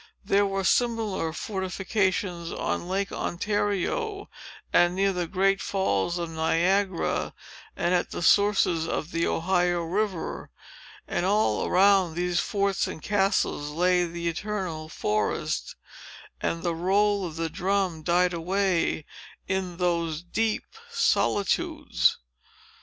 There were similar fortifications on Lake Ontario, and near the great Falls of Niagara, and at the sources of the Ohio River. And all around these forts and castles lay the eternal forest; and the roll of the drum died away in those deep solitudes.